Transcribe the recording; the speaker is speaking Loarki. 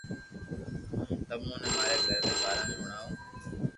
ھمو ھون تموني ماري گھر ري باري ۾ ھڻاوُ